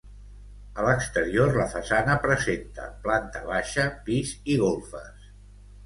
A l'exterior, la façana presenta planta baixa, pis i golfes.